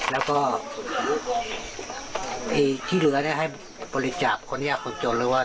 แล้วก็ที่เหลือให้บริจาบคนยากคนจนเลยว่า